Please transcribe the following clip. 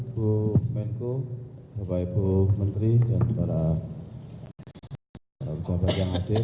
ibu menko bapak ibu menteri dan para pejabat yang hadir